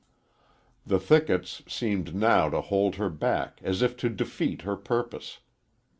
The thickets seemed now to hold her back as if to defeat her purpose.